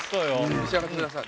召し上がってください。